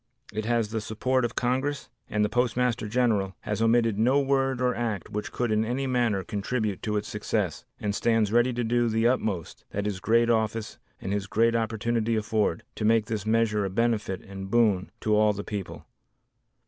It has the support of Congress, and the Postmaster General has omitted no word or act which could in any manner contribute to its success and stands ready to do the utmost that his great office and his great opportunity afford, to make this measure a benefit and a boon to all the people.